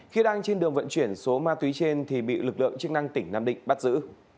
khi đang trên đường vận chuyển số ma túy trên thì bị lực lượng chức năng tỉnh nam định bắt giữ